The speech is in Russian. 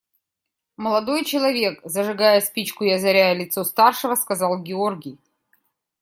Молодой человек, – зажигая спичку и озаряя лицо старшего, сказал Георгий.